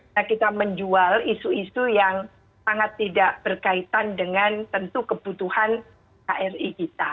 nah kita menjual isu isu yang sangat tidak berkaitan dengan tentu kebutuhan kri kita